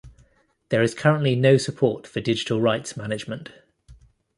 There is currently no support for Digital rights management.